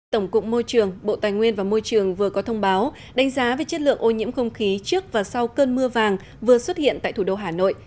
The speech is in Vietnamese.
tổng cục môi trường bộ tài nguyên và môi trường vừa có thông báo đánh giá về chất lượng ô nhiễm không khí trước và sau cơn mưa vàng vừa xuất hiện tại thủ đô hà nội